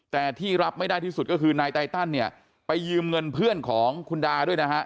แต่ที่รับไม่ได้ที่สุดก็คือนายไตตันเนี่ยไปยืมเงินเพื่อนของคุณดาด้วยนะฮะ